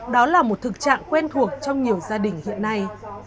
đó là một thực trạng quen thuộc trong nhiều gia đình hiện nay